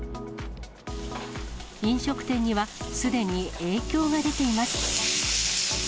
飲食店には、すでに影響が出ています。